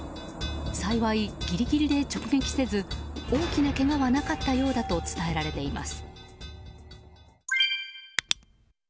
幸い、ギリギリで直撃せず大きなけがはなかったようだと伝えられています。